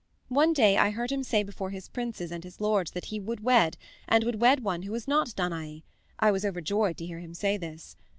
One day I heard him say before his princes and his lords that he would wed, and would wed one who was not Danae, I was overjoyed to hear him say this.